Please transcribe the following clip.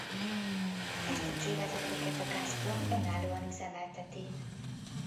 Ezt a csővezetéket a Gazprom önállóan üzemelteti.